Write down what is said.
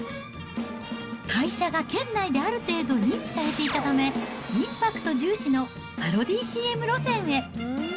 会社が県内である程度、認知されていたため、インパクト重視のパロディＣＭ路線へ。